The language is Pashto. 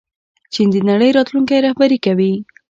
چین د نړۍ راتلونکی رهبري کوي.